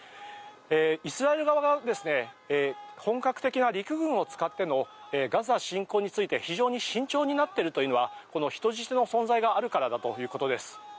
イスラエル側が本格的な陸軍を使ってのガザ侵攻について、非常に慎重になっているというのはこの人質の存在があるからだということです。